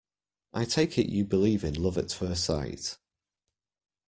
I take it you believe in love at first sight?